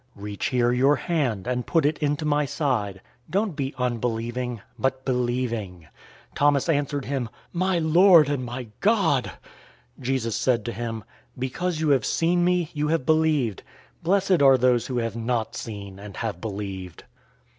Reach here your hand, and put it into my side. Don't be unbelieving, but believing." 020:028 Thomas answered him, "My Lord and my God!" 020:029 Jesus said to him, "Because you have seen me,{TR adds " Thomas,"} you have believed. Blessed are those who have not seen, and have believed."